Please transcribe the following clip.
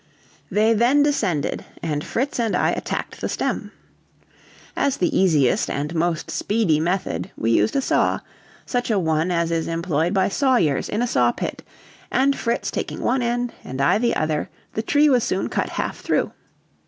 They then descended, and Fritz and I attacked the stem. As the easiest and most speedy method we used a saw, such a one as is employed by sawyers in a saw pit, and Fritz taking one end and I the other, the tree was soon cut half through.